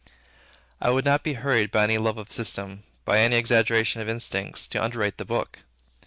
I would not be hurried by any love of system, by any exaggeration of instincts, to underrate the Book.